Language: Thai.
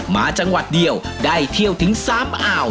จังหวัดเดียวได้เที่ยวถึง๓อ่าว